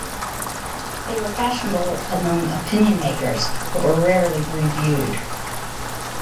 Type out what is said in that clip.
They were fashionable among opinion-makers, but were rarely reviewed.